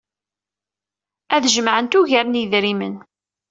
Ad jemɛent ugar n yedrimen.